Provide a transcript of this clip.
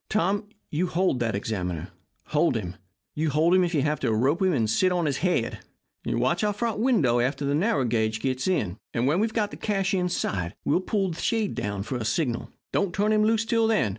Tom, you hold that examiner. Hold him. Hold him if you have to rope him and sit on his head. Watch our front window after the narrow gauge gets in, and when we've got the cash inside we'll pull down the shade for a signal. Don't turn him loose till then.